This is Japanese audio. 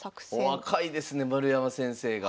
お若いですね丸山先生が。